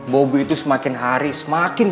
bobi itu semakin hari semakin